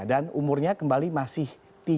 dan umurnya kembali masih tiga puluh